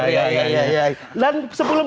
ya ya ya dan sebelum